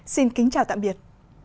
xin kính chào tạm biệt